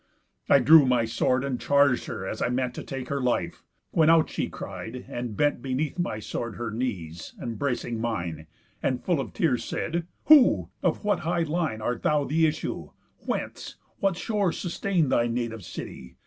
I drew my sword, and charg'd her, as I meant To take her life. When out she cried, and bent Beneath my sword her knees, embracing mine, And, full of tears, said: 'Who? Of what high line Art thou the issue? Whence? What shores sustain Thy native city?